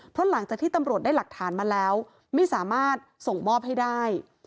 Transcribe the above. เพราะหลังจากที่ตำรวจได้หลักฐานมาแล้วไม่สามารถส่งมอบให้ได้